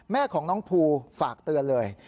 แม่ของน้องภูฝากเตือนเลย